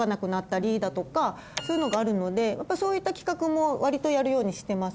そういうのがあるのでそういった企画も割とやるようにしてます。